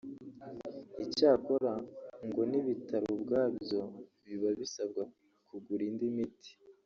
icyakora ngo n’ibitaro ubwabyo biba bisabwa kugura indi miti